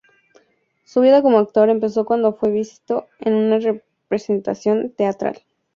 Su vida como actor empezó cuando fue visto en una representación teatral.